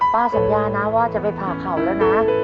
สัญญานะว่าจะไปผ่าเขาแล้วนะ